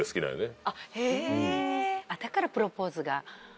だからプロポーズが。